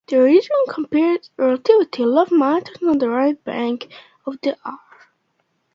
The region comprises relatively low mountains on the right bank of the Aare.